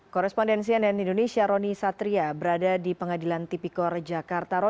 korespondensi nn indonesia roni satria berada di pengadilan tipikor jakarta